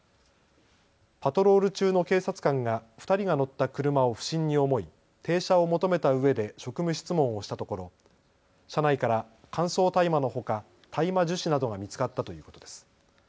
パトロール中の警察官が２人が乗った車を不審に思い停車を求めたうえで職務質問をしたところ車内から乾燥大麻のほか大麻樹脂などが見つかったということです。